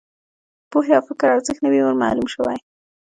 د پوهې او فکر ارزښت نه وي معلوم شوی.